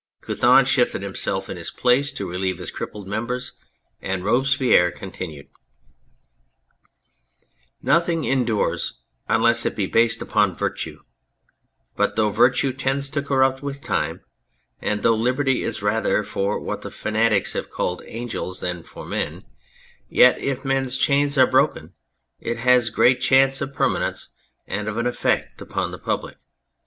Couthon shifted himself in his place to relieve his crippled members, and Robespierre continued " Nothing endures unless it be based upon Virtue, but though Virtue tends to corrupt with time, and though Liberty is rather for what the fanatics have called ' angels ' than for men, yet if men's chains are broken it has great chance of permanence and of effect upon the public.